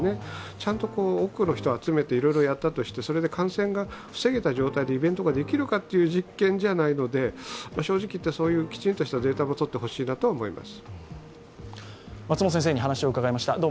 ちゃんと多くの人を集めていろいろやったとしてそれで感染が防げた状態でイベントができるかという実験ではないので正直言って、そういうきちんとしたデータもとってほしいなと思います。